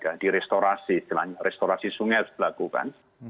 diaga direstorasi restorasi sungai harus dilakukan